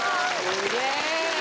すげえ！